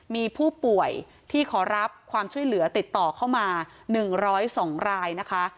มีผู้ป่วยที่ขอรับความช่วยเหลือติดต่อเข้ามา๑๐๒รายนะคะ